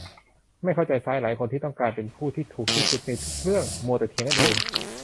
ไม่เข้าใจซ้ายหลายคนที่ต้องการเป็นผู้ที่ถูกที่สุดในทุกเรื่อง มัวแต่เถียงกันเอง